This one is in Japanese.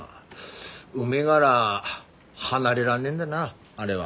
海がら離れらんねえんだなあれは。